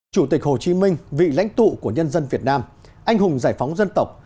chủ tịch hồ chí minh vị lãnh tụ của nhân dân việt nam anh hùng giải phóng dân tộc